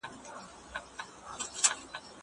کېدای سي خواړه خراب وي!؟